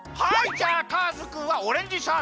じゃあターズくんはオレンジシャーベット。